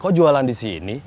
kok jualan di sini